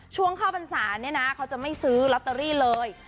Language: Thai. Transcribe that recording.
ช่วงเข้าพรรษาเนี่ยนะเขาจะไม่ซื้อลอตเตอรี่เลย